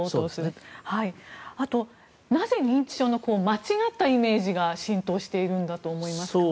あと、なぜ認知症の間違ったイメージが浸透しているんだと思いますか。